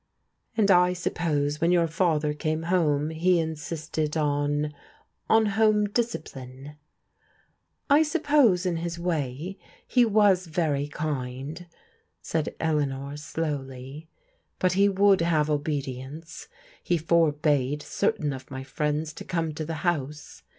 " And I suppose when your father came home he in sisted on — on home discipline? "" I suppose, in his way, he was very land," said Elea nor slowly, "but he would have obedience. He for bade certain of my friends to come to the house.